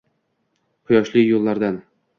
Quyoshli yo’llardan